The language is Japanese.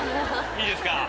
いいですか？